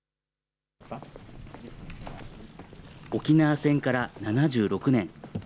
沖縄戦から７６年。